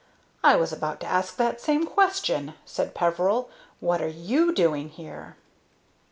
"I was about to ask that same question," said Peveril. "What are you doing here?"